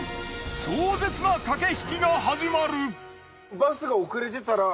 壮絶な駆け引きが始まる！